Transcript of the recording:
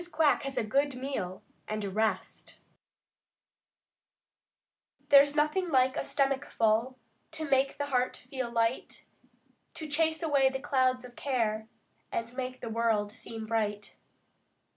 QUACK HAS A GOOD MEAL AND A REST There's nothing like a stomach full To make the heart feel light; To chase away the clouds of care And make the world seem bright.